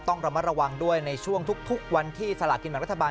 ต้องระมัดระวังด้วยในช่วงทุกวันที่สลากินแบบรัฐบาล